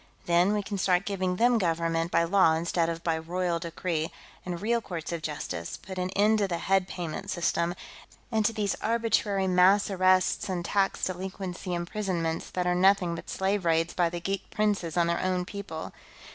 Then, we can start giving them government by law instead of by royal decree, and real courts of justice; put an end to the head payment system, and to these arbitrary mass arrests and tax delinquency imprisonments that are nothing but slave raids by the geek princes on their own people.